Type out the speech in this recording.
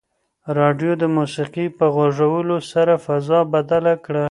راډیو د موسیقۍ په غږولو سره فضا بدله کړه.